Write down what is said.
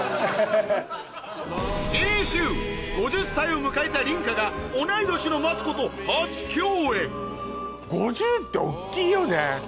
次週５０歳を迎えた梨花が同い年のマツコと初共演５０って大っきいよね。